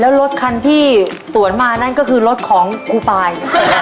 แล้วรถคันที่สวนมานั่นก็คือรถของครูปาย